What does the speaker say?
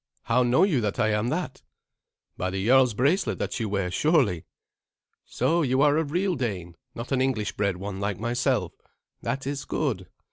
How know you that I am that?" "By the jarl's bracelet that you wear, surely." "So you are a real Dane not an English bred one like myself. That is good.